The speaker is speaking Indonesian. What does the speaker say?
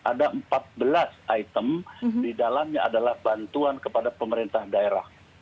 ada empat belas item di dalamnya adalah bantuan kepada pemerintah daerah